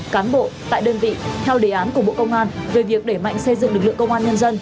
cán bộ tại đơn vị theo đề án của bộ công an về việc để mạnh xây dựng lực lượng công an nhân dân